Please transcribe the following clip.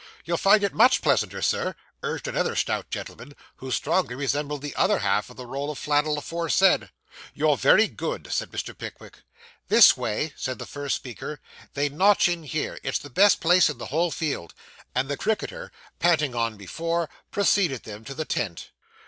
'You'll find it much pleasanter, Sir,' urged another stout gentleman, who strongly resembled the other half of the roll of flannel aforesaid. 'You're very good,' said Mr. Pickwick. 'This way,' said the first speaker; 'they notch in here it's the best place in the whole field;' and the cricketer, panting on before, preceded them to the tent.